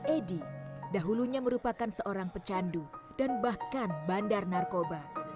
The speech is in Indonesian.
edi dahulunya merupakan seorang pecandu dan bahkan bandar narkoba